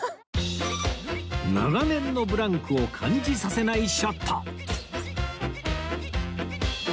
長年のブランクを感じさせないショット